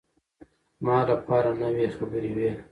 ما لپاره نوې خبرې وې.